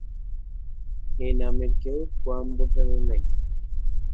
এই নামের কেউ কোয়েম্বাটোরে নেই।